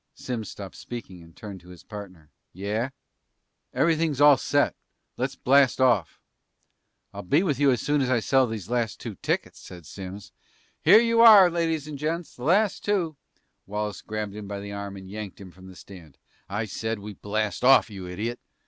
Simms stopped speaking and turned to his partner. "Yeah?" "Everything's all set. Let's blast off!" "I'll be with you as soon as I sell the last two tickets," said Simms. "Here you are, ladies and gents, the last two " Wallace grabbed him by the arm and yanked him from the stand. "I said we blast off, you idiot!